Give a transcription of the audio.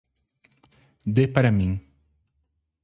Dê para mim